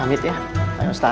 amit ya pak ustadz